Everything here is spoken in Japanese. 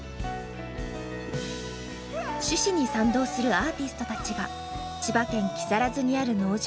趣旨に賛同するアーティストたちが千葉県木更津にある農場